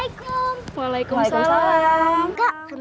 kita seperti ini jadi ada langit stepen